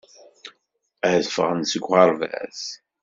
Ad ffɣeɣ seg uɣerbaz.